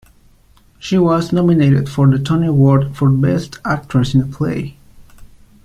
She was nominated for the Tony Award for Best Actress in a Play.